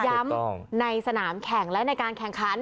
ในสนามแข่งและในการแข่งขัน